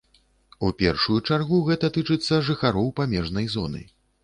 У першую чаргу гэта тычыцца жыхароў памежнай зоны.